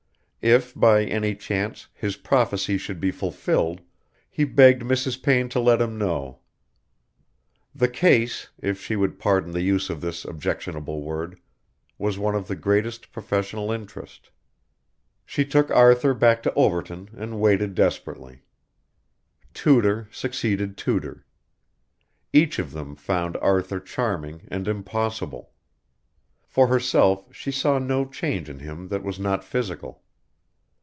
If, by any chance, his prophecy should be fulfilled, he begged Mrs. Payne to let him know. The case, if she would pardon the use of this objectionable word, was one of the greatest professional interest. She took Arthur back to Overton and waited desperately. Tutor succeeded tutor. Each of them found Arthur charming and impossible. For herself she saw no change in him that was not physical.